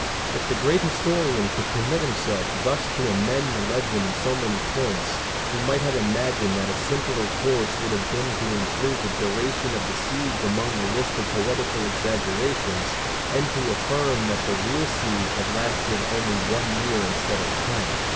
If the great historian could permit himself thus to amend the legend in so many points, we might have imagined that a simpler course would have been to include the duration of the siege among the list of poetical exaggerations and to affirm that the real siege had lasted only one year instead of ten.